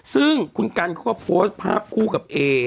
ซึ่งคุณกันเขาก็โพสต์ภาพคู่กับเอ